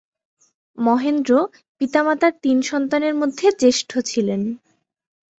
মহেন্দ্র পিতামাতার তিন সন্তানের মধ্যে জ্যেষ্ঠ ছিলেন।